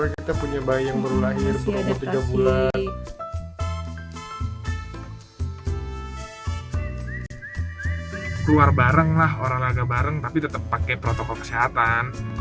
keluar bareng lah olahraga bareng tapi tetap pakai protokol kesehatan